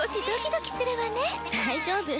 大丈夫。